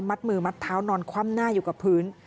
มือมัดเท้านอนคว่ำหน้าอยู่กับพื้น